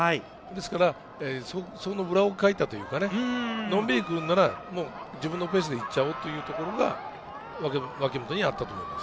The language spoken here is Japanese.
ですから、その裏をかいたというかね、のんびり来るなら、自分のペースで行っちゃおう！というところが脇本にはあったと思います。